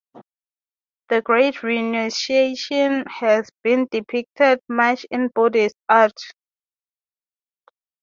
The Great Renunciation has been depicted much in Buddhist art.